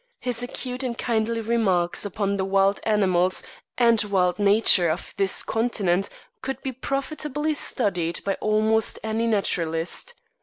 His acute and kindly remarks upon the wild animals and wild nature of this continent could be profitably studied by almost any naturalist.